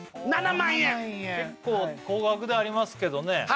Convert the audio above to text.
７万円結構高額ではありますけどね